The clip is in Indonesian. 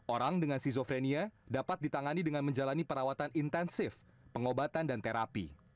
orang dengan skizofrenia dapat ditangani dengan menjalani perawatan intensif pengobatan dan terapi